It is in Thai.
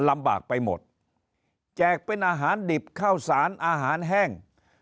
ลำบากไปหมดแจกเป็นอาหารดิบข้าวสารอาหารแห้ง